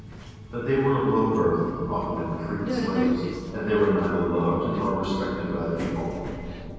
But they were of low birth — often they were freed slaves — and they were neither loved nor respected by the people.